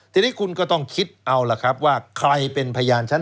ทีนี้คุณก็ต้องคิดเอาล่ะครับว่าใครเป็นพยานชั้น